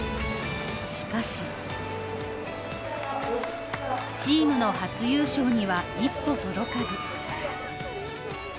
しかし、チームの初優勝には一歩届かず。